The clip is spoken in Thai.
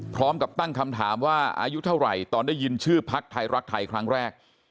พร้อมกับตั้งคำถามว่าอายุเท่าไหร่ตอนได้ยินชื่อพักไทยรักไทยครั้งแรก